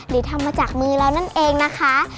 หรือทำมาจากมือเรานั่นเองนะคะ